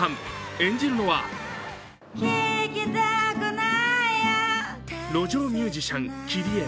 演じるのは路上ミュージシャン、キリエ。